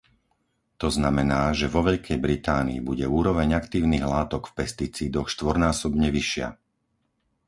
To znamená, že vo Veľkej Británii bude úroveň aktívnych látok v pesticídoch štvornásobne vyššia.